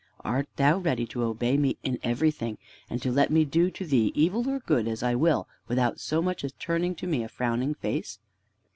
Art thou ready to obey me in everything, and to let me do to thee evil or good as I will without so much as turning to me a frowning face?"